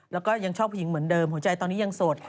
แล้วก็ยังชอบผู้หญิงเหมือนเดิมหัวใจตอนนี้ยังโสด